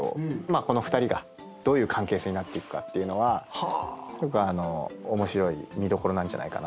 この２人がどういう関係性になっていくかっていうのは面白い見どころなんじゃないかなとは。